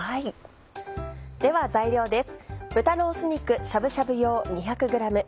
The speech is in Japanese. では材料です。